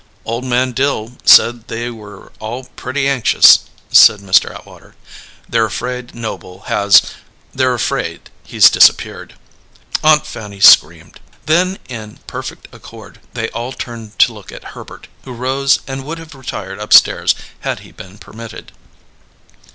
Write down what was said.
"Old man Dill said they were all pretty anxious," said Mr. Atwater. "They're afraid Noble has they're afraid he's disappeared." Aunt Fanny screamed. Then, in perfect accord, they all turned to look at Herbert, who rose and would have retired upstairs had he been permitted.